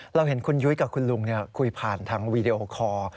เราเห็นคุณยุ้ยกับคุณลุงคุยผ่านทางวีดีโอคอร์